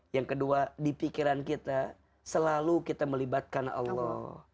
yang kedua di pikiran kita selalu kita melibatkan allah